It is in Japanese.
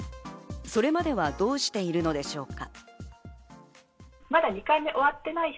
それまではどうしているのでしょうか？